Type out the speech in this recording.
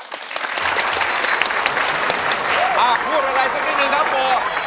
พูดอะไรสักนิดนึงนะโบ